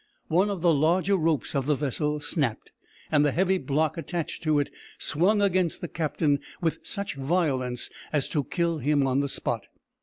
One of the larger ropes of the vessel snapt, and the heavy block attached to it swung against the captain with such violence as to kill him on the spot.